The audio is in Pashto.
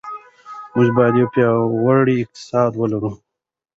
موږ به یو پیاوړی اقتصاد ولرو.